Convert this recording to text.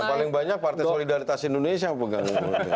paling banyak partai solidaritas indonesia yang pegang